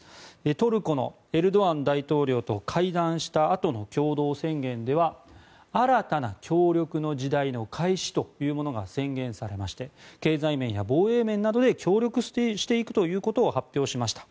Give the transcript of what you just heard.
トルコのエルドアン大統領と会談したあとの共同宣言では新たな協力の時代の開始というものが宣言されまして経済面や防衛面などで協力していくということを発表しました。